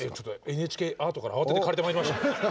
ＮＨＫアートから慌てて借りてまいりました。